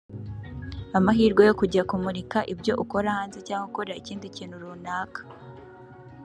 amahirwe yo kujya kumurika ibyo ukora hanze cyangwa gukora ikindi kintu runaka